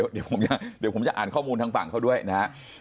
เดี๋ยวผมจะอ่านข้อมูลทางฝั่งเขาด้วยนะฮะ